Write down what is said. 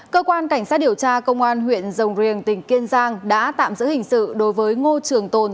cơ quan cảnh sát điều tra công an huyện rồng riềng tỉnh kiên giang đã tạm giữ hình sự đối với ngô trường tồn